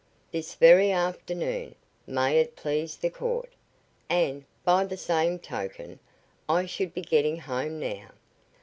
"This very afternoon, may it please the court. And, by the same token, I should be getting home now.